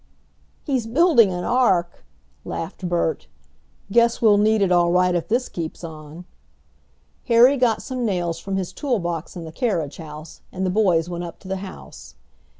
"He's building an ark!" laughed Bert. "Guess we'll need it all right if this keeps on." Harry got some nails from his toolbox in the carriage house, and the boys went up to the house.